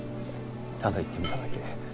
ただ言ってみただけ。